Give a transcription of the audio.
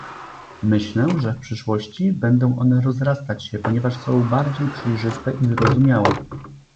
Myślę, że w przyszłości będą one rozrastać się, ponieważ są bardziej przejrzyste i zrozumiałe